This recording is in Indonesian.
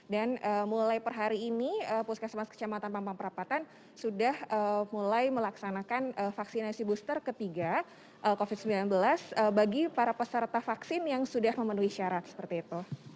dan mulai per hari ini puskesmas kecamatan mampang perapatan sudah mulai melaksanakan vaksinasi booster ketiga covid sembilan belas bagi para peserta vaksin yang sudah memenuhi syarat seperti itu